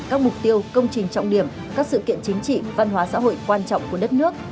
các mục tiêu công trình trọng điểm các sự kiện chính trị văn hóa xã hội quan trọng của đất nước